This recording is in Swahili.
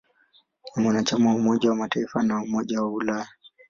Ni mwanachama wa Umoja wa Mataifa na wa Umoja wa Ulaya.